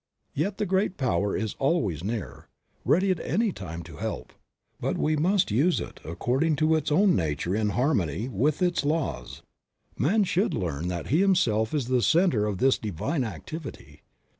Yet the Great Power is always near, ready at any time to help, but we must use it according to its own nature in harmony with its laws. Man should learn that he himself is the center of this Divine activity.